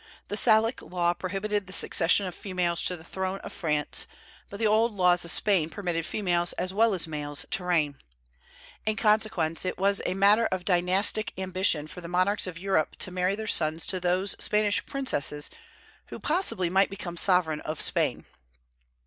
The Salic law prohibited the succession of females to the throne of France, but the old laws of Spain permitted females as well as males to reign. In consequence, it was always a matter of dynastic ambition for the monarchs of Europe to marry their sons to those Spanish princesses who possibly might become sovereign of Spain.